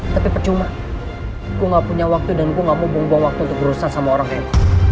tapi percuma gua gak punya waktu dan gua gak mau bong bong waktu untuk berurusan sama orang yang